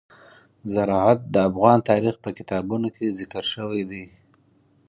زراعت د افغان تاریخ په کتابونو کې ذکر شوی دي.